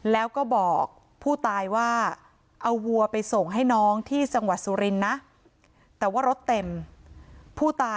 แล้วก็บอกผู้ตายว่าเอาวัวไปส่งให้น้องที่สังวัติสุรินทร์นะ